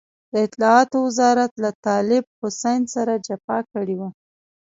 د اطلاعاتو وزارت له طالب حسين سره جفا کړې وه.